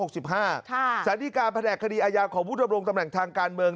สารดีการแผนกคดีอาญาของผู้ดำรงตำแหน่งทางการเมือง